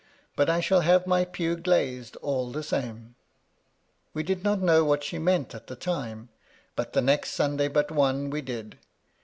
" But I shall have my pew glazed all the same." We did not know what she meant at the time ; but the next Sunday but one we did.